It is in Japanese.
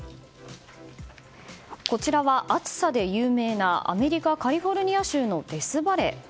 こちらは、暑さで有名なアメリカ・カリフォルニア州のデスバレー。